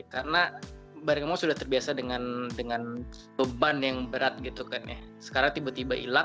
karena barangkali kamu sudah terbiasa dengan beban yang berat gitu kan ya sekarang tiba tiba hilang